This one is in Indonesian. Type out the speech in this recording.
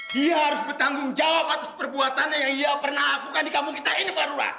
dia harus bertanggung jawab atas perbuatannya yang dia pernah lakukan di kampung kita ini barulah